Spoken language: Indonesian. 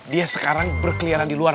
dia sekarang berkeliaran di luar